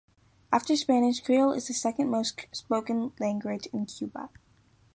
After Spanish, Creole is the second most-spoken language in Cuba.